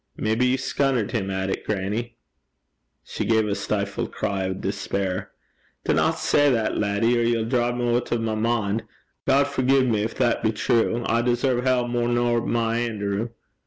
'Maybe ye scunnert him at it, grannie.' She gave a stifled cry of despair. 'Dinna say that, laddie, or ye'll drive me oot o' my min'. God forgie me, gin that be true. I deserve hell mair nor my Anerew.'